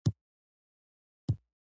په کړکېچونو سره میلیونونو کارګران بېکاره کېږي